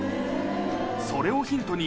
それをヒントに、